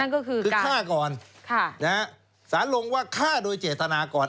ก็คือฆ่าก่อนสารลงว่าฆ่าโดยเจตนาก่อน